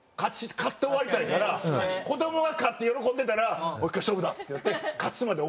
勝って終わりたいから子供が勝って喜んでたらもう１回勝負だってなって。